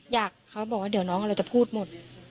เขาบอกว่าเดี๋ยวน้องเราจะพูดหมด